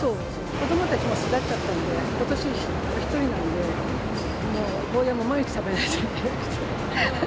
子どもたちも巣立っちゃったんで、ことし、１人なんで、もうゴーヤも毎日食べなきゃいけない。